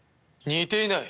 似ていない！